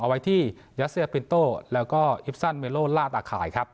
ไว้ที่ยัสเซียปินโต้แล้วก็อิปซันเมโลลาดอาข่ายครับ